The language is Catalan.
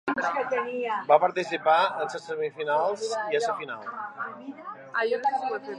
Va participar en les semifinals i a la final.